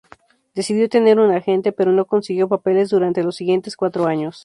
Decidió tener un agente, pero no consiguió papeles durante los siguientes cuatro años.